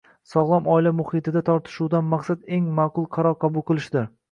Sog‘lom oila muhitida tortishuvdan maqsad eng ma’qul qaror qabul qilishdir.